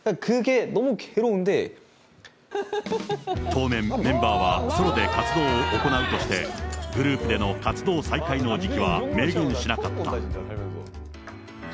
当面、メンバーはソロで活動を行うとして、グループでの活動再開の時期は明言しなかった。